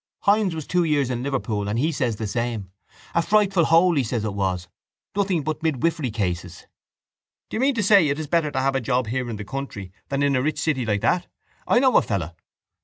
—Hynes was two years in Liverpool and he says the same. A frightful hole he said it was. Nothing but midwifery cases. —Do you mean to say it is better to have a job here in the country than in a rich city like that? I know a fellow...